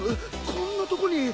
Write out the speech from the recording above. こんなとこに。